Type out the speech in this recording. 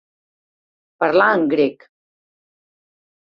Parlar en grec.